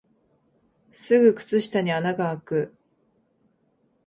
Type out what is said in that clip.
すぐ靴下に穴があく